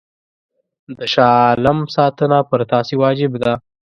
د شاه عالم ساتنه پر تاسي واجب ده.